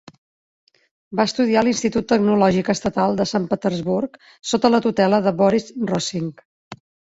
Va estudiar a l'Institut Tecnològic Estatal de Sant Petersburg, sota la tutela de Boris Rosing.